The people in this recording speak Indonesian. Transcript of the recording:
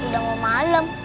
kan udah mau malem